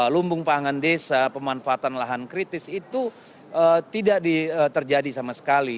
lumbung pangan desa pemanfaatan lahan kritis itu tidak terjadi sama sekali